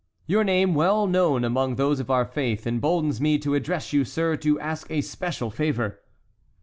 "Your name, well known among those of our faith, emboldens me to address you, sir, to ask a special favor."